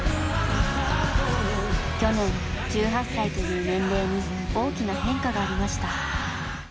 去年１８歳という年齢に大きな変化がありました。